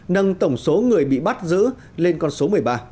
nâng tổng số người bị bắt giữ lên con số một mươi ba